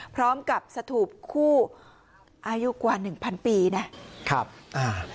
พร้อมกับสถูปคู่อายุกว่าหนึ่งพันปีนะครับอ่า